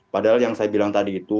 padahal yang saya bilang tadi itu